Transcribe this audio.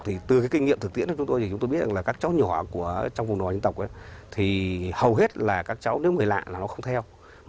thì từ kinh nghiệm thực tiễn của chúng tôi thì chúng tôi biết rằng các cháu nhỏ trong vùng nòi nhân tộc thì hầu hết là nếu người lạ là nó không theo